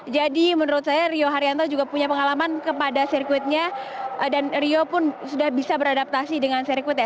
jadi menurut saya rio haryanto juga punya pengalaman kepada sirkuitnya dan rio pun sudah bisa beradaptasi dengan sirkuitnya